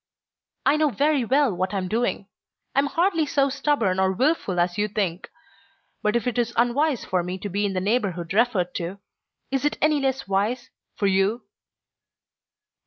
"I know very well what I am doing. I am hardly so stubborn or wilful as you think. But if it is unwise for me to be in the neighborhood referred to, is it any less wise for you?"